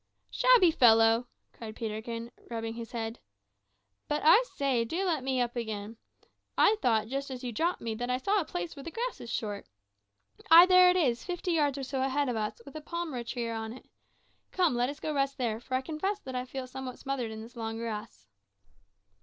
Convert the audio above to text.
"Shabby fellow!" cried Peterkin, rubbing his head. "But, I say, do let me up again. I thought, just as you dropped me, that I saw a place where the grass is short. Ay, there it is, fifty yards or so ahead of us, with a palmyra tree on it. Come, let us go rest there, for I confess that I feel somewhat smothered in this long grass."